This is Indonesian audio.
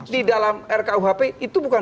di dalam rkuhp itu bukan